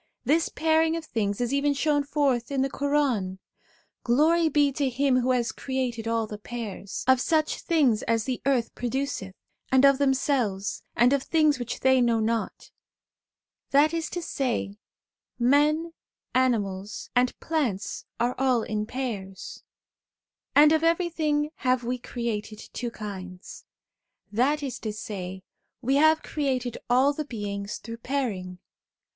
This pairing of things is even shown forth in the Quran :' Glory be to Him who has created all the pairs : of such things as the earth produceth, and of themselves; and of things which they know not.' 2 That is to say, men, animals, and 1 Quran, Sura 19. 2 Quran, Sura 36. 99 100 SOME ANSWERED QUESTIONS plants are all in pairs 'and of everything have we created two kinds.' That is to say, we have created all the beings through pairing.